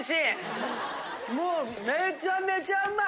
もうめちゃめちゃうまい。